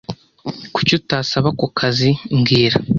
Kuki utasaba ako kazi mbwira